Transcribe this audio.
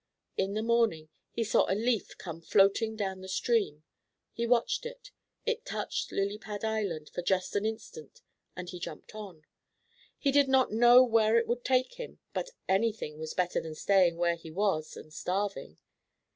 In the morning he saw a leaf come floating down the stream; he watched it; it touched Lily Pad Island for just an instant and he jumped on. He did not know where it would take him, but anything was better than staying where he was and starving.